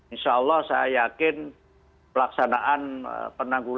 insya allah saya yakin pelaksanaan penanggulangan